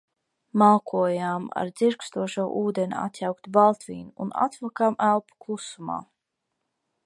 Malkojām ar dzirkstošo ūdeni atjauktu baltvīnu un atvilkām elpu klusumā.